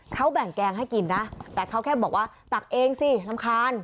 เขาแบ่งแกงให้กินนะแต่เขาแค่บอกว่าตักเองสิรำคาญ